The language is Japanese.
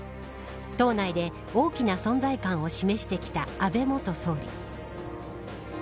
党内で、大きな存在感を示してきた安倍元総理。